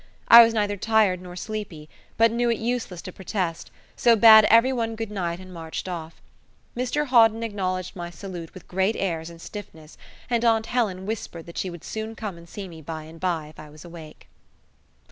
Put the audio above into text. I was neither tired nor sleepy, but knew it useless to protest, so bade every one good night and marched off. Mr Hawden acknowledged my salute with great airs and stiffness, and aunt Helen whispered that she would come and see me by and by, if I was awake.